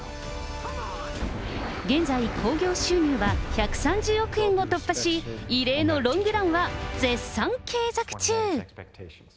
現在、興行収入は１３０億円を突破し、異例のロングランは絶賛継続中。